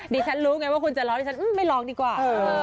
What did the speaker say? ฉันรู้ไงว่าคุณจะร้องดิฉันไม่ร้องดีกว่า